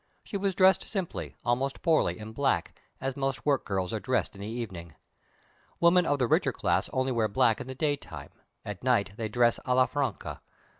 She was dressed simply, almost poorly, in black, as most work girls are dressed in the evening. Women of the richer class only wear black in the daytime, at night they dress a la francesa.